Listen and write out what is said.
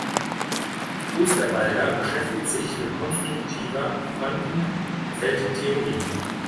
Osterwalder beschäftigt sich mit konstruktiver Quantenfeldtheorie.